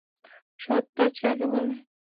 সৎ কাজ কাকে বলে?